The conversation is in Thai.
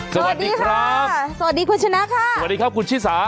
สวัสดีครับสวัสดีคุณชนะค่ะสวัสดีครับคุณชิสา